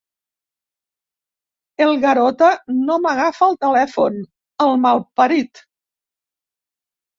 El Garota no m'agafa el telèfon, el malparit.